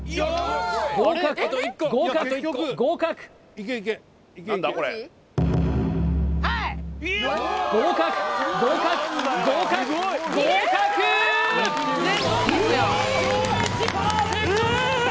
合格合格合格合格合格合格合格！